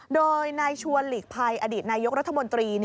โดยนายชวนหลีกภัยอดีตนายกรัฐมนตรี